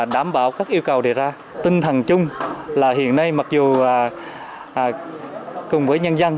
đảm bảo các yêu cầu đề ra tinh thần chung là hiện nay mặc dù cùng với nhân dân